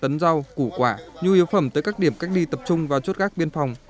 hai tấn rau củ quả nhu yếu phẩm tới các điểm cách ly tập trung vào chốt gác biên phòng